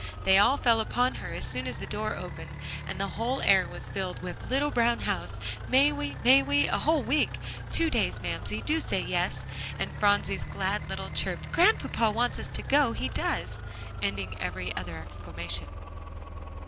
They all fell upon her, as soon as the door opened, and the whole air was filled with "little brown house." "May we may we?" "A whole week." "Two days, Mamsie, do say yes," and Phronsie's glad little chirp "Grandpapa wants to go, he does!" ending every other exclamation.